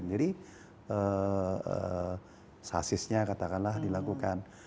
jadi sasisnya katakanlah dilakukan